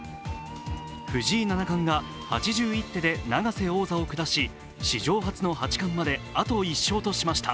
藤井七冠が８１手で永瀬王座を下し、史上初の八冠まであと１勝としました。